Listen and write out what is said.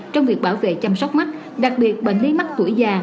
trong việc bảo vệ chăm sóc mắt đặc biệt bệnh lý mắc tuổi già